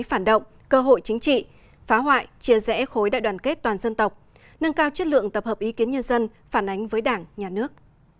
phản động cơ hội chính trị phá hoại chia rẽ khối đại đoàn kết toàn dân tộc nâng cao chất lượng tập hợp ý kiến nhân dân phản ánh với đảng nhà nước